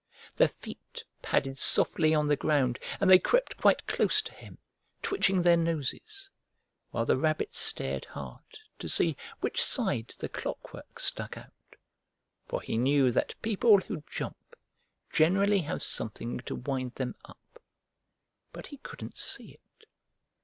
Their feet padded softly on the ground, and they crept quite close to him, twitching their noses, while the Rabbit stared hard to see which side the clockwork stuck out, for he knew that people who jump generally have something to wind them up. But he couldn't see it.